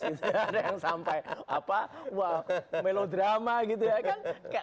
ada yang sampai apa wah melodrama gitu ya kan